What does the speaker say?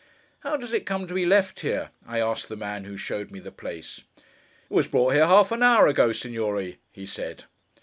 'How does it come to be left here?' I asked the man who showed me the place. 'It was brought here half an hour ago, Signore,' he said.